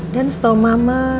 dan setau mama